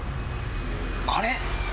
あれ。